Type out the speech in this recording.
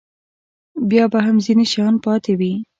بیا به هم ځینې شیان پاتې وي.